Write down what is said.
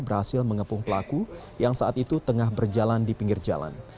berhasil mengepung pelaku yang saat itu tengah berjalan di pinggir jalan